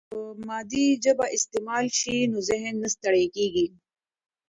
که مادي ژبه استعمال شي، نو ذهن نه ستړی کیږي.